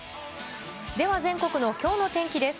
では、全国のきょうの天気です。